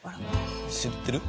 知ってる？